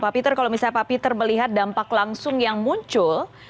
pak peter kalau misalnya pak peter melihat dampak langsung yang muncul